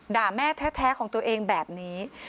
แม่แท้ของตัวเองแบบนี้